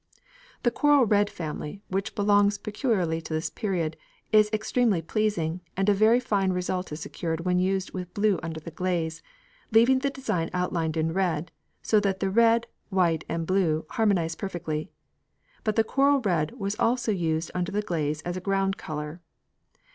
The coral red family, which belongs peculiarly to this period, is extremely pleasing, and a very fine result is secured when used with blue under the glaze, leaving the design outlined in red, so that the red, white, and blue harmonise perfectly. But the coral red was also used under the glaze as a ground colour.